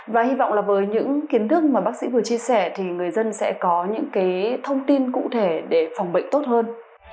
và hy vọng là với những kiến thức mà bác sĩ vừa chia sẻ thì người dân sẽ có những cái thông tin cụ thể để phòng bệnh tốt hơn